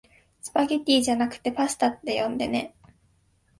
スパゲティじゃなくパスタって呼んでね